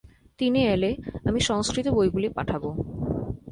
তিনি এলে আমি সংস্কৃত বইগুলি পাঠাব।